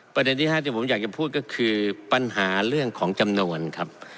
ประเด็นที่๕ที่ผมอยากจะพูดก็คือปัญหาเรื่องของจำนวนครับ